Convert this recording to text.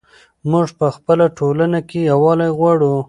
موږ په خپله ټولنه کې یووالی غواړو.